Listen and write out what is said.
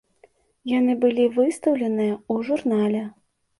Яны былі выстаўленыя у журнале.